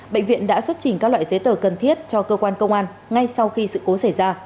bệnh viện đã xuất trình các loại giấy tờ cần thiết cho cơ quan công an ngay sau khi sự cố xảy ra